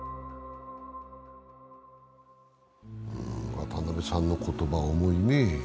渡辺さんの言葉は重いね。